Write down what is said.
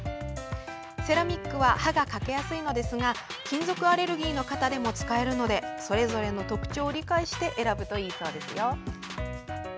セラミックは刃が欠けやすいのですが金属アレルギーの方でも使えるのでそれぞれの特徴を理解して選ぶといいそうですよ。